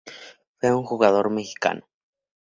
Fue un jugador mexicano.